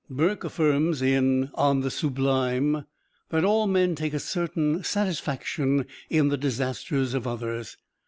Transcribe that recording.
Burke affirms, in "On the Sublime," that all men take a certain satisfaction in the disasters of others.